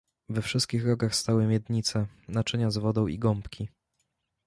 "We wszystkich rogach stały miednice, naczynia z wodą i gąbki."